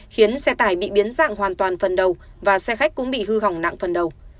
khiến xe tải bị biến dạng hoàn toàn phần đầu và xe khách cũng bị hư hỏng nặng phần đầu